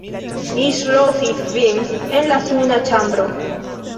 Mi ŝlosis vin en la suna ĉambro!